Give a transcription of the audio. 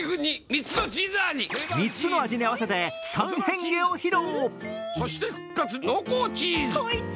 ３つの味に合わせて３変化を披露。